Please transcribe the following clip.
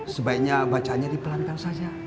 sebaiknya bacaannya dipelanikan saja